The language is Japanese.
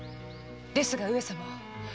ですが上様。